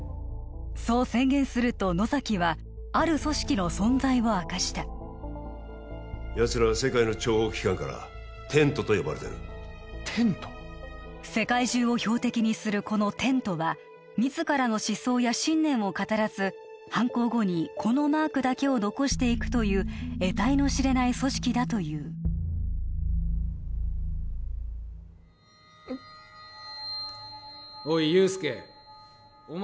そう宣言すると野崎はある組織の存在を明かしたやつらは世界の諜報機関からテントと呼ばれてるテント世界中を標的にするこのテントは自らの思想や信念を語らず犯行後にこのマークだけを残していくというえたいの知れない組織だといううっおい憂助お前